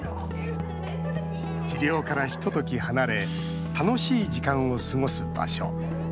治療から、ひととき離れ楽しい時間を過ごす場所。